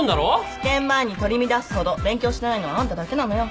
試験前に取り乱すほど勉強してないのはあんただけなのよ。